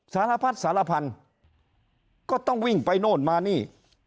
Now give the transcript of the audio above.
สารพัดสารพันธุ์ก็ต้องวิ่งไปโน่นมานี่